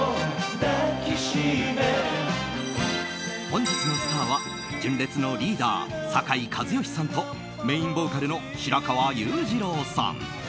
本日のスターは純烈のリーダー、酒井一圭さんとメインボーカルの白川裕二郎さん。